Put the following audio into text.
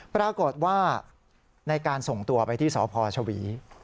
ปรากฏว่าในการส่งตัวไปที่สพชวี